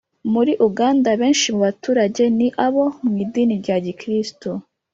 Muri uganda, benshi mu baturage ni abo mu idini rya gikristu